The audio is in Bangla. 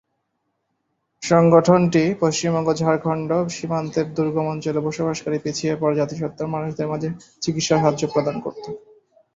সংগঠনটি পশ্চিমবঙ্গ-ঝাড়খণ্ড সীমান্তের দুর্গম অঞ্চলে বসবাসকারী পিছিয়ে পড়া জাতিসত্তার মানুষদের মাঝে চিকিৎসা সাহায্য প্রদান করত।